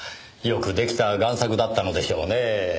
よく出来た贋作だったのでしょうねぇ。